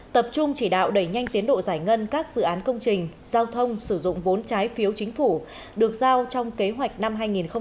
tập trung chỉ đạo đẩy nhanh tiến độ giải ngân các dự án công trình giao thông sử dụng vốn trái phiếu chính phủ được giao trong kế hoạch năm hai nghìn hai mươi